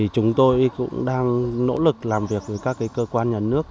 chúng tôi cũng đang nỗ lực làm việc với các cơ quan nhà nước